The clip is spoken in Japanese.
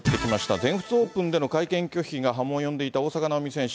全仏オープンでの会見拒否が波紋を呼んでいた大坂なおみ選手。